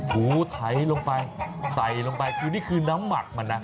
ถูไถลงไปใส่ลงไปคือนี่คือน้ำหมักมันนะ